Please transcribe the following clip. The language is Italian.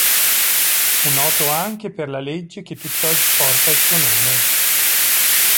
Fu noto anche per la legge che tutt'oggi porta il suo nome.